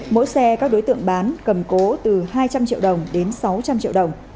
mỗi xe các đối tượng bán cầm cố từ hai trăm linh triệu đồng đến sáu trăm linh triệu đồng